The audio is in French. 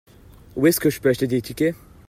Où est-ce que je peux acheter des tickets ?